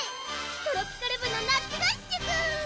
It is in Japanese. トロピカる部の夏合宿！